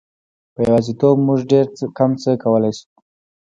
په یوازیتوب موږ ډېر کم څه کولای شو.